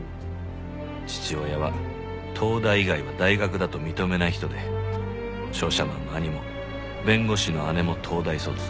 父親は東大以外は大学だと認めない人で商社マンの兄も弁護士の姉も東大卒。